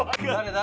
誰？